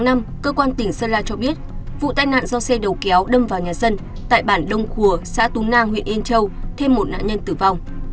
ngày bảy năm cơ quan tỉnh sơn la cho biết vụ tai nạn do xe đầu kéo đâm vào nhà dân tại bản đông khùa xã tú nang huyện yên châu thêm một nạn nhân tử vong